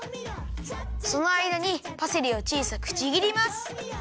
そのあいだにパセリをちいさくちぎります。